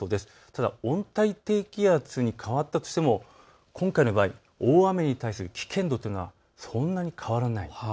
ただ温帯低気圧に変わったとしても今回の場合、大雨に対する危険度というのはそんなに変わらない。